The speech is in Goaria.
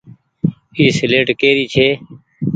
اي سيليٽ ڪي ري ڇي۔